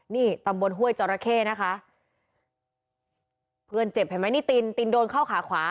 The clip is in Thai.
นี่ตำบลห้วยจราเข้นะคะเพื่อนเจ็บเห็นไหมนี่ตินตินโดนเข้าขาขวา